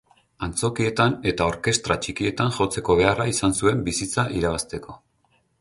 Antzokietan eta orkestra txikietan jotzeko beharra izan zuen bizitza irabazteko.